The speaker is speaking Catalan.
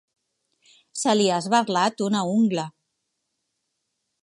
Se li ha esberlat una ungla.